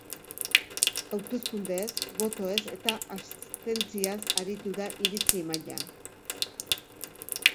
Hauteskundeez, botoez eta abstentziaz aritu da iritzi emailea.